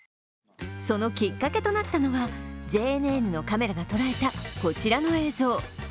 そのきっかけとはなったのは、ＪＮＮのカメラが捉えた、こちらの映像。